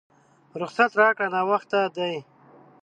رخصت راکړه ناوخته دی!